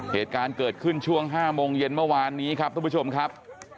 เหตุการณ์เกิดขึ้นช่วง๕โมงเย็นเมื่อวานนี้ครับทุกผู้ชมครับ